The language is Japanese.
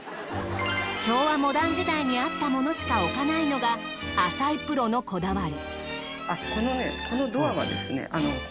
昭和モダン時代にあった物しか置かないのが淺井プロのこだわり。